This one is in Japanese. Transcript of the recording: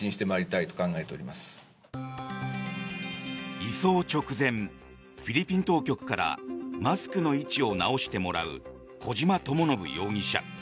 移送直前、フィリピン当局からマスクの位置を直してもらう小島智信容疑者。